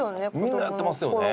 みんなやってますよね。